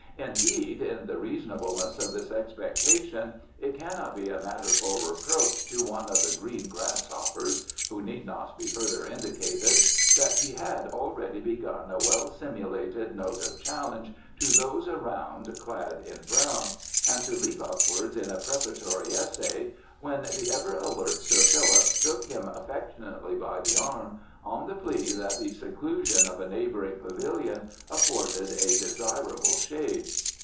Indeed, in the reasonableness of this expectation it cannot be a matter for reproach to one of the green grass hoppers who need not be further indicated that he had already begun a well simulated note of challenge to those around clad in brown, and to leap upwards in a preparatory essay, when the ever alert Sir Philip took him affectionately by the arm, on the plea that the seclusion of a neighbouring pavilion afforded a desirable shade.